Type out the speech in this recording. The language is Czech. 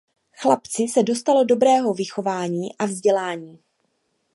Chlapci se dostalo dobrého vychování a vzdělání.